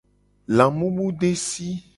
Lamumudesi.